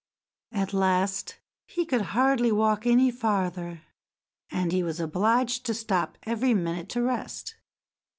At last he could hardly walk any farther, and he was obliged to stop every minute to rest.